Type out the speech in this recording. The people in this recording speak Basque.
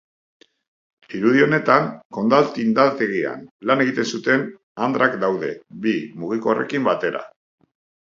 Irudi honetan, Condal tindategian lan egiten zuten andrak daude, bi mugikorrekin batera.